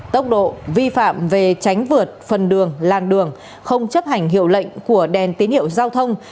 tốc độ vi phạm về tránh vượt phần đường làng đường không chấp hành hiệu lệnh của đèn tín hiệu giao thông